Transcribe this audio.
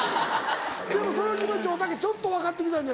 でもその気持ちおたけちょっと分かって来たんじゃないの？